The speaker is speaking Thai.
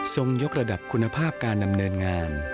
ยกระดับคุณภาพการดำเนินงาน